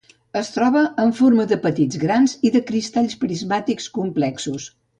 Es troba en forma de petits grans, i de cristalls prismàtics complexos.